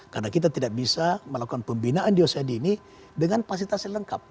karena kita tidak bisa melakukan pembinaan di ocd ini dengan pasitas yang lengkap